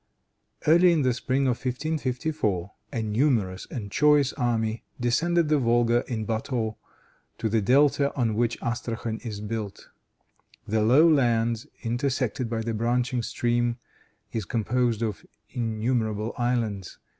Early in the spring of 1554 a numerous and choice army descended the Volga in bateaux to the delta on which Astrachan is built. The low lands, intersected by the branching stream, is composed of innumerable islands.